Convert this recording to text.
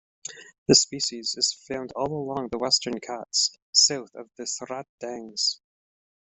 The species is found all along the Western Ghats south of the Surat Dangs.